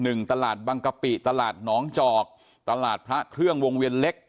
ตลาดบังกะปิตลาดหนองจอกตลาดพระเครื่องวงเวียนเล็ก